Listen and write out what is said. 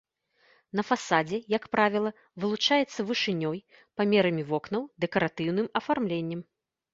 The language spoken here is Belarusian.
На фасадзе, як правіла, вылучаецца вышынёй, памерамі вокнаў, дэкаратыўным афармленнем.